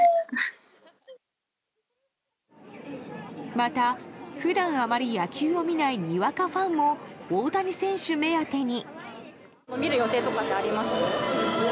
また、普段あまり野球を見ないにわかファンも大谷選手目当てに。